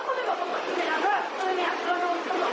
เพราะว่าตอนนี้เราตำรวจครั้งนี้ลำ